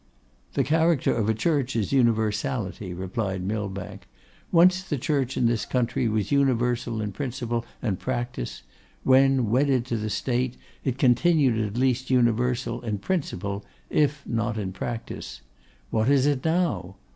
'The character of a Church is universality,' replied Millbank. 'Once the Church in this country was universal in principle and practice; when wedded to the State, it continued at least universal in principle, if not in practice. What is it now?